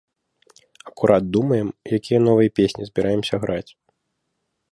Акурат думаем, якія новыя песні збіраемся граць.